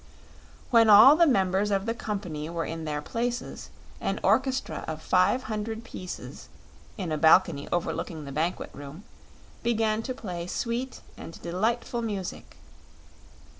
When all members of ethe company were in their places an orchestra of five hundred pieces, in a balcony overlooking the banquet room, began to play sweet and delightful music.